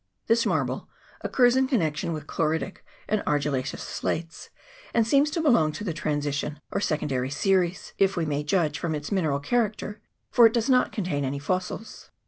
This mar ble occurs in connection with chloritic and argil laceous slates, and seems to belong to the transition or secondary series, if we may judge from its mineral character, for it does not contain any fossils.